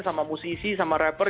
sama musisi sama rapper